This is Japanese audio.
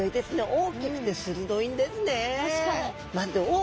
大きくて鋭いんですね。